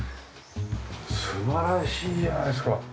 素晴らしいじゃないですか。